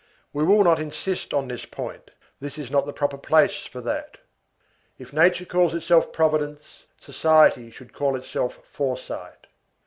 We will not insist upon this point; this is not the proper place for that. If nature calls itself Providence, society should call itself foresight.